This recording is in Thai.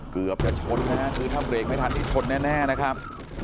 เกือบจะชนนะฮะคือถ้าเบรกไม่ทันนี่ชนแน่นะครับ